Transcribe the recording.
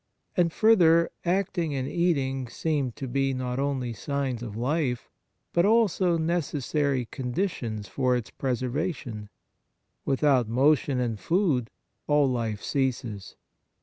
And, further, acting and eating seem to be not only signs of life, but also necessary con 64 The Nature of Piety ditions for its preservation ; without motion and food, all life ceases.